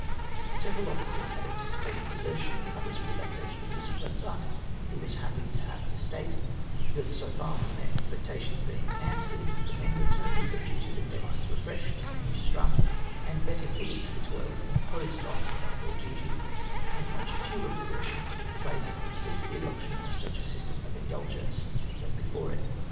Several officers had anticipated desertion, others a relaxation of discipline ; but, lie Avas happy to have to state, that so far from their expectations being answered, the men returned to their duty with their minds refreshed — new strung, and better fitted for the toils imposed on them by their duty ; and much fewer desertions t<:)ok place since the adoption of such a 'system of indulgence than before it.